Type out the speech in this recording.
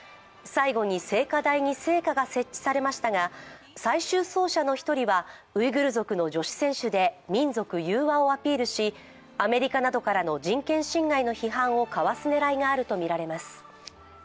最後に聖火台に聖火が設置されましたが最終走者の１人はウイグル族の女子選手で民族融和をアピールしアメリカなどからの人権侵害の批判をかわす狙いがあるとみられます。